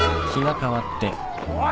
おい！